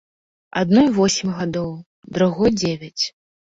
Адной восем гадоў, другой дзевяць.